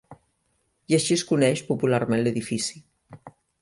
I així es coneix popularment l'edifici.